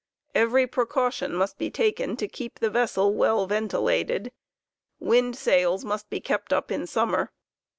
Every precaution must be *" taken to keep the vessel well ventilated; windsails must be kept up in summer.